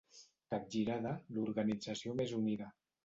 Capgirada, l'organització més unida.